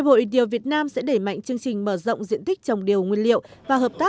bây giờ việt nam là một quốc gia trợ năng cao